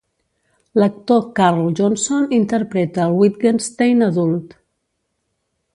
L'actor Karl Johnson interpreta el Wittgenstein adult.